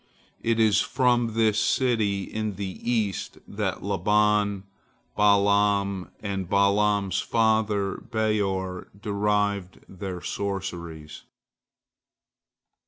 It is from this city in the east that Laban, Balaam, and Balaam's father Beor derived their sorceries.